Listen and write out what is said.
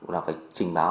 là phải trình báo